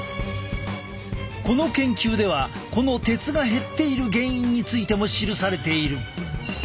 この研究ではこの鉄が減っている原因についても記されている。